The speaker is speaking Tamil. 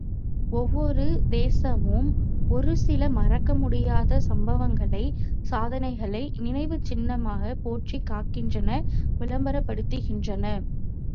ஒவ்வொரு தேசமும் ஒரு சில மறக்கமுடியாத சம்பவங்களை சாதனைகளை நினைவுச் சின்னமாகப் போற்றிக் காக்கின்றன விளம்பரப்படுத்துகின்றன.